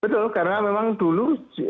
betul karena memang dulu